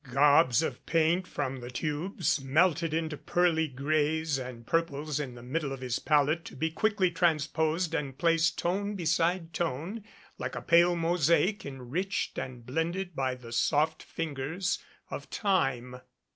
Gobs of paint from the tubes melted into pearly grays and purples in the middle of his palette to be quickly transposed and placed tone beside tone like a pale mosaic enriched and blended by the soft fingers of Time.